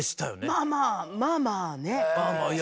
まあまあまあまあね。